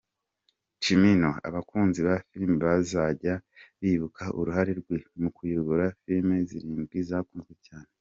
Cimino, abakunzi ba filimi bazajya bibuka uruhare rwe mu kuyobora filimi zirindwi zakunzwe cyane.